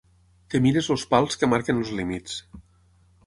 Et mires els pals que marquen els límits.